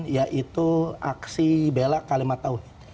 yaitu aksi bela kalimat tahun